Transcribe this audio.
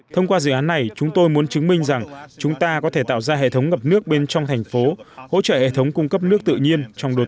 thông qua dự án này chúng tôi muốn chứng minh rằng chúng ta có thể tạo ra hệ thống ngập nước bên trong thành phố hỗ trợ hệ thống cung cấp nước tự nhiên